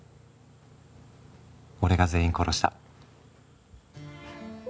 俺が全員殺した。